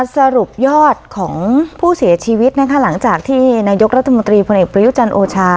สรุปยอดของผู้เสียชีวิตนะคะหลังจากที่นายกรัฐมนตรีพลเอกประยุจันทร์โอชา